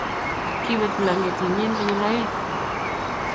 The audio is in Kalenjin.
kibet blanketinyin konyil oeng'.